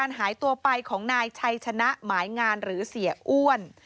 หายตัวไปของนายชัยชนะหมายงานหรือเสียอ้วน